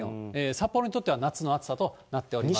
札幌にとっては夏の暑さとなっています。